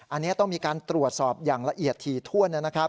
อันนี้ต้องมีการตรวจสอบอย่างละเอียดถี่ถ้วนนะครับ